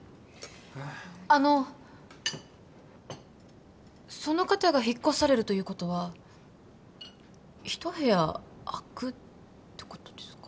あのその方が引っ越されるということは一部屋空くってことですか？